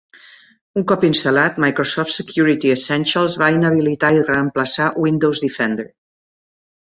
Un cop instal·lat, Microsoft Security Essentials va inhabilitar i reemplaçar Windows Defender.